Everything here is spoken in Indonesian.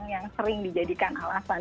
yang sering dijadikan alasan